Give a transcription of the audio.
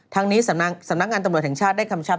ทางนี้สำนักงานตำรวจแห่งชาติได้คำชับ